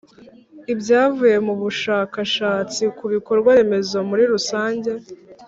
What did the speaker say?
Ibyavuye mu bushakashatsi ku bikorwa remezo muri rusange